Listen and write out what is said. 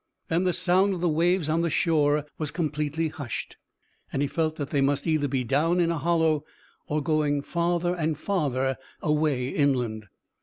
Then the sound of the waves on the shore was completely hushed, and he felt that they must either be down in a hollow, or going farther and farther away inland.